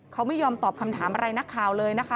เขาไม่ยอมตอบคำถามอะไรนักข่าวเลยนะคะ